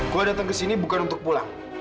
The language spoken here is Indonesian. gua datang kesini bukan untuk pulang